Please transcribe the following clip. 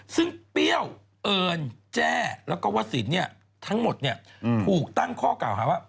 ซึ่งเปรี้ยวเอิญแจ้แล้วก็วสินทั้งหมดถูกตั้งข้อกล่าวหาว่า